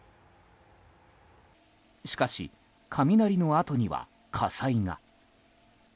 しかし、雷のあとには火災が。